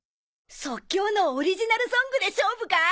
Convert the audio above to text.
即興のオリジナルソングで勝負か？